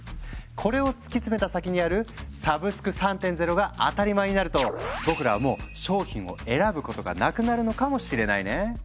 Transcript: これを突き詰めた先にある「サブスク３．０」が当たり前になると僕らはもう商品を選ぶことがなくなるのかもしれないね。